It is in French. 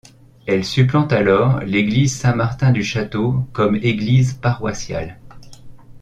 Elle supplante alors l'église Saint-Martin du Château comme église paroissiale.